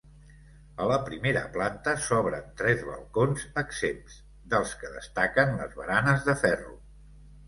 A la primera planta s'obren tres balcons exempts, dels que destaquen les baranes de ferro.